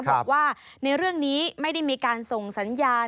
บอกว่าในเรื่องนี้ไม่ได้มีการส่งสัญญาณ